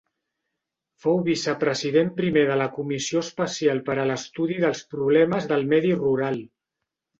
Fou vicepresident primer de la comissió especial per a l'estudi dels problemes del medi rural.